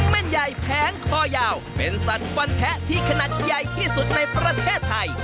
แม่นใหญ่แผงคอยาวเป็นสัตว์ฟันแทะที่ขนาดใหญ่ที่สุดในประเทศไทย